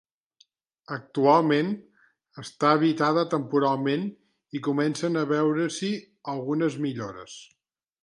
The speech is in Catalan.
Actualment està habitada temporalment i comencen a veure-s'hi algunes millores.